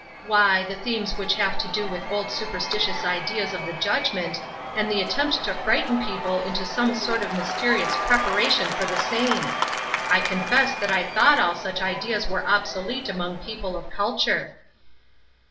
" Why, the themes which have to do with old superstitious ideas of the judgment, and the l6o THE WISDOM OF THIS WORLD. attempt to frighten people into some sort of mys terious preparation for the same. I confess that I thought all such ideas were obsolete among peo ple of culture."